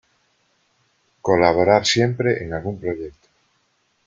Colaborar siempre en algún proyecto.